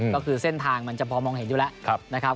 ก็คือเส้นทางมันจะพอมองเห็นอยู่แล้วนะครับ